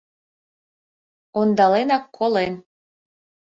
Ондаленак колен...